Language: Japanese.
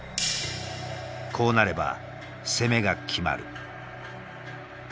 こうなれば攻めが決まる。